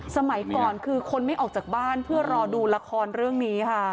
สมัยก่อนคือคนไม่ออกจากบ้านเพื่อรอดูละครเรื่องนี้ค่ะ